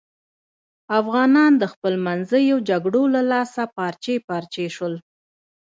افغانان د خپلمنځیو جگړو له لاسه پارچې پارچې شول.